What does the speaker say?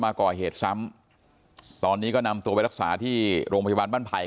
มาก่อเหตุซ้ำตอนนี้ก็นำตัวไปรักษาที่โรงพยาบาลบ้านไผ่